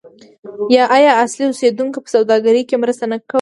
آیا اصلي اوسیدونکو په سوداګرۍ کې مرسته نه کوله؟